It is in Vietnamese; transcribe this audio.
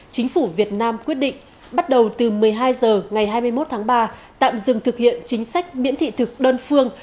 chính phủ việt nam quyết định bắt đầu từ một mươi hai h ngày hai mươi một tháng ba tạm dừng thực hiện chính sách miễn thị thực đơn phương